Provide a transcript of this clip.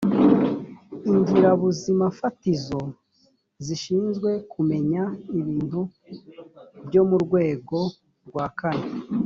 ingirabuzimafatizo zishinzwe kumenya ibintu byo mu rwego rwa kane.